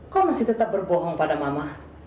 kau masih tetap berbohong pada mama